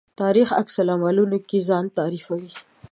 تاریخ عکس العمل کې ځان تعریفوي.